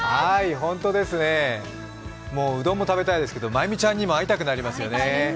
本当ですね、もううどんも食べたいですけど眞弓ちゃんにも会いたいですね。